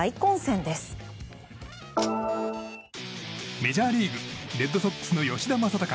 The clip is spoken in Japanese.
メジャーリーグレッドソックスの吉田正尚。